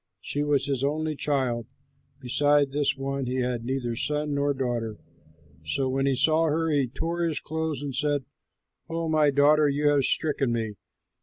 She was his only child; besides this one he had neither son nor daughter. So when he saw her, he tore his clothes and said, "Oh, my daughter, you have stricken me!